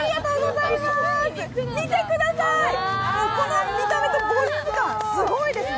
見てください、この見た目とボリューム感、すごいです。